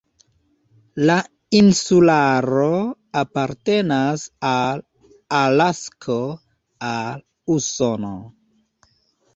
La insularo apartenas al Alasko, al Usono.